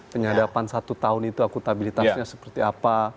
penyadapan satu tahun itu akutabilitasnya seperti apa